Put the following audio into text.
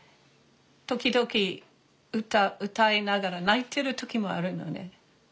時々歌歌いながら泣いてる時もあるのね。